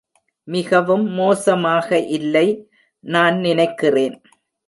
மிகவும் மோசமாக இல்லை, நான் நினைக்கிறேன்.